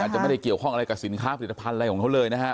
จะไม่ได้เกี่ยวข้องอะไรกับสินค้าผลิตภัณฑ์อะไรของเขาเลยนะฮะ